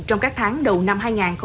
trong các tháng đầu năm hai nghìn hai mươi